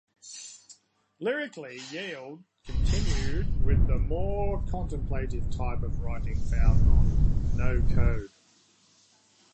Lyrically, "Yield" continued with the more contemplative type of writing found on "No Code".